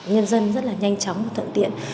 nhân dân rất là nhanh chóng và thận tiện